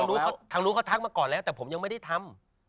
รู้ทางรู้เขาทักมาก่อนแล้วแต่ผมยังไม่ได้ทำ